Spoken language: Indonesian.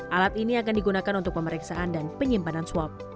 alat ini akan digunakan untuk pemeriksaan dan penyimpanan swab